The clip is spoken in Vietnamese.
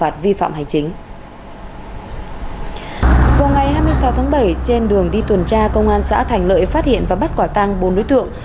trên đường đi tuần tra công an xã thành lợi phát hiện và bắt quả tăng bốn đối tượng